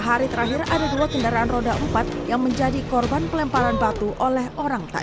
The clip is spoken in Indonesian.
hari terakhir ada dua kendaraan roda empat yang menjadi korban pelemparan batu oleh orang tak